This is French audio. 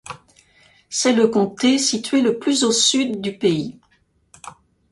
C’est le comté situé le plus au sud du pays.